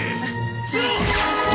伏せろ！